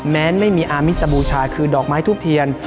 ไม่มีอามิสบูชาคือดอกไม้ทูบเทียน